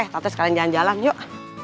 tante sekalian jalan jalan yuk